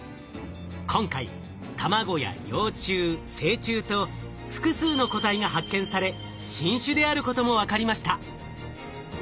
今回卵や幼虫成虫と複数の個体が発見され新種であることも分かりました。